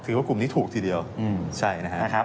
คือว่ากลุ่มนี้ถูกทีเดียวใช่นะครับ